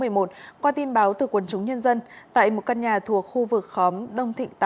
qua tin báo từ quần chúng nhân dân tại một căn nhà thuộc khu vực khóm đông thịnh tám